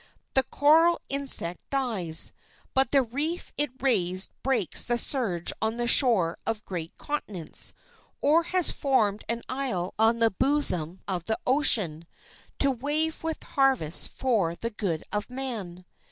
The coral insect dies; but the reef it raised breaks the surge on the shores of great continents, or has formed an isle on the bosom of the ocean, to wave with harvests for the good of man.